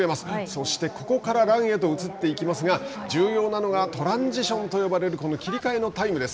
そして、ここからランへと移っていきますが重要なのが、トランジションと呼ばれるこの切り替えのタイムです。